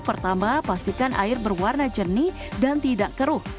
pertama pastikan air berwarna jernih dan tidak keruh